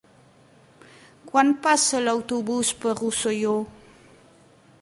Quan passa l'autobús per Rosselló?